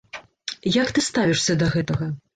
Як ты ставішся да гэтага?